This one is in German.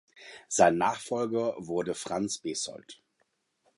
Sein Nachfolger wurde Franz Besold.